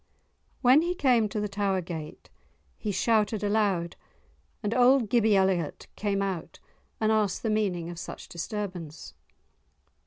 When he came to the tower gate he shouted aloud, and old Gibby Elliot came out and asked the meaning of such disturbance.